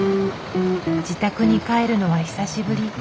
自宅に帰るのは久しぶり。